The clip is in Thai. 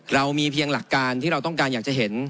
เรามีเพียงหลักการที่เราต้องการอยากจะเห็น